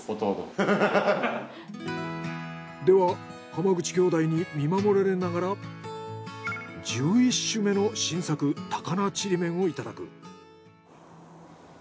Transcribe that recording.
では濱口兄弟に見守られながら１１種目の新作高菜ちりめんをいただく。